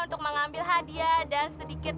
untuk mengambil hadiah dan sedikit